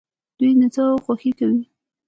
دوی نڅا او خوښي کوي.